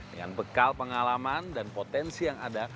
dengan bekal pengalaman dan potensi yang ada